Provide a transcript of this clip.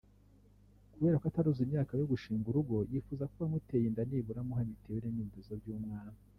Kubera ko ataruzuza imyaka yo gushinga urugo yifuza ko uwamuteye inda nibura amuha mituweli n’indezo by’umwana